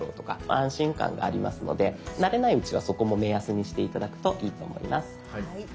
安心感がありますので慣れないうちはそこも目安にして頂くといいと思います。